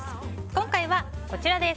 今回はこちらです。